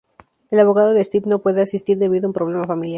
El abogado de Steve no puede asistir debido a un problema familiar.